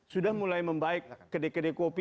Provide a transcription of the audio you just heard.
sudah mulai membaik kede kede kopi